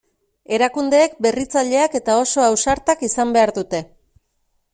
Erakundeek berritzaileak eta oso ausartak izan behar dute.